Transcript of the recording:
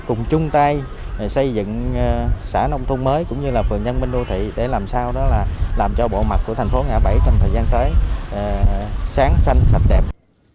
cùng chung tay xây dựng xã nông thôn mới cũng như là phường nhân minh đô thị để làm sao đó là làm cho bộ mặt của thành phố ngã bảy trong thời gian tới sáng xanh sạch đẹp